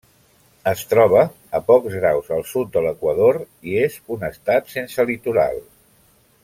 Es troba a pocs graus al sud de l'equador i és un estat sense litoral.